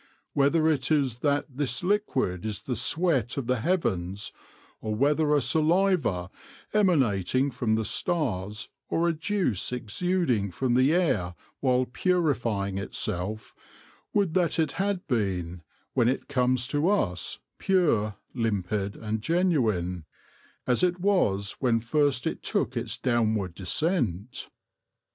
... Whether it is that this liquid is the sweat of the heavens, or whether a saliva emanating from the stars or a juice exuding from the air while purifying itself — would that it had been, when it comes to us, pure, limpid, and genuine, as it was when first it took its downward descent.